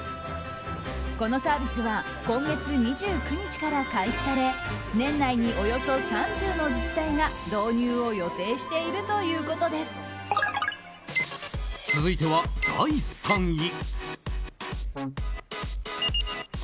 このサービスは今月２９日から開始され年内におよそ３０の自治体が導入を予定している続いては第３位。